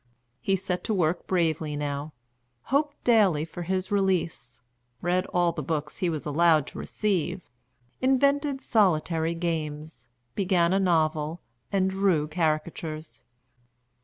He set to work bravely now; hoped daily for his release; read all the books he was allowed to receive, invented solitary games, began a novel, and drew caricatures.